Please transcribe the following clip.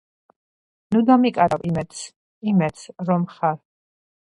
„ნუ დამიკარგავ იმედს, იმედს, რომ ხარ!..“